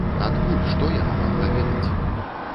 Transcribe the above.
Адкуль, што яна магла ведаць?